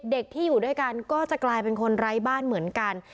เด็กที่อยู่ด้วยกันก็จะกลายเป็นคนไร้บ้านเหมือนกัน